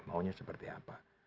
maunya seperti apa